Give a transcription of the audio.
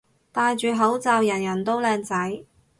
戴住口罩人人都靚仔